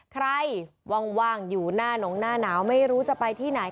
ว่างอยู่หน้าหนงหน้าหนาวไม่รู้จะไปที่ไหน